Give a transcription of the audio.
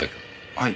はい。